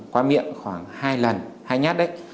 qua miệng khoảng hai lần hai nhát đấy